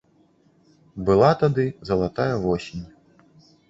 Была тады залатая восень.